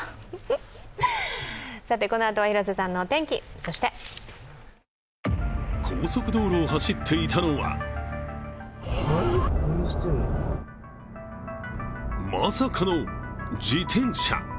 このあとは広瀬さんのお天気、そして高速道路を走っていたのはまさかの自転車。